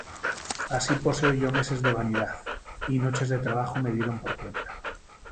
Así poseo yo meses de vanidad, Y noches de trabajo me dieron por cuenta.